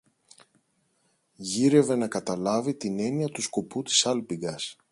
Γύρευε να καταλάβει την έννοια του σκοπού της σάλπιγγας